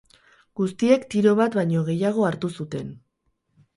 Guztiek tiro bat baino gehiago hartu zuten.